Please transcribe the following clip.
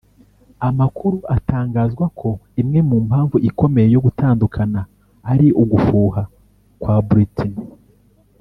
amakuru atangazwa ko imwe mu mpamvu ikomeye yo gutandukana ari ugufuha kwa Britney